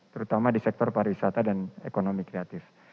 terutama di sektor pariwisata dan ekonomi kreatif